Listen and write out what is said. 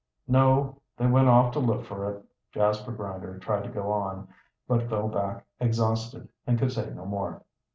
"No. They went off to look for it." Jasper Grinder tried to go on, but fell back exhausted and could say no more.